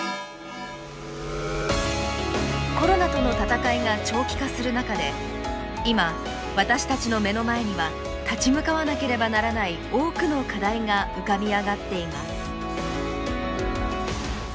コロナとの闘いが長期化する中で今私たちの目の前には立ち向かわなければならない多くの課題が浮かび上がっています。